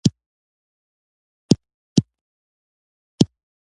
لمسی له پلار نه لارښوونه اخلي.